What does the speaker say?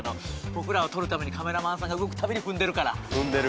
僕らを撮るためにカメラマンさんが動く度に踏んでるから。